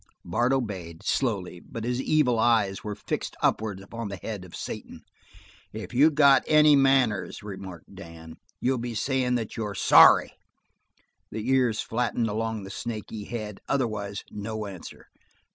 Bart obeyed, slowly, but his evil eyes were fixed upwards upon the head of Satan. "If you got any manners," remarked Dan, "you'll be sayin' that you're sorry." The ears flattened along the snaky head; otherwise no answer.